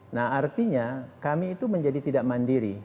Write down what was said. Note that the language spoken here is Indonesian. nah artinya kami itu menjadi tidak mandiri